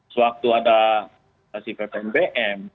sewaktu ada pasifikasi bpm